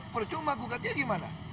percuma gugatnya gimana